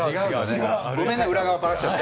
ごめんね、バラしちゃって。